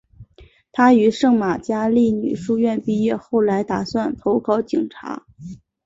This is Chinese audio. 她于圣玛加利女书院毕业后本来打算投考警察。